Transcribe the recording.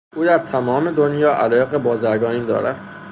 او در تمام دنیا علایق بازرگانی دارد.